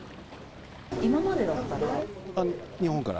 今までだったら？